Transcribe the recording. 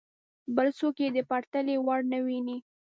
بل څوک یې د پرتلې وړ نه ویني.